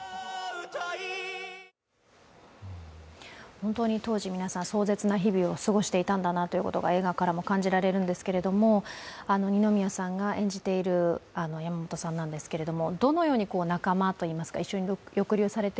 本当に当時皆さん、壮絶な日々を過ごしていたんだなということが映画からも感じられるんですけれども、二宮さんが演じている山本さんですけれども。